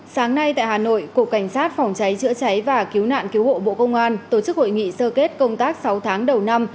sáng nay tại hà nội cục cảnh sát phòng cháy chữa cháy và cứu nạn cứu hộ bộ công an tổ chức hội nghị sơ kết công tác sáu tháng đầu năm